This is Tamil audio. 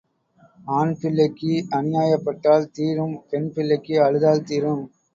ஆண் பிள்ளைக்கு அநியாயப்பட்டால் தீரும் பெண் பிள்ளைக்கு அழுதால் தீரும்.